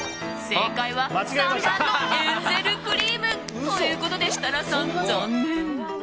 正解は３番のエンゼルクリーム。ということで、設楽さん残念。